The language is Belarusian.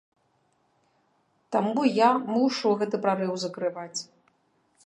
Таму я мушу гэты прарыў закрываць.